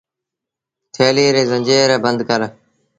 ٿيلي ريٚ زنجيٚر بند ڪر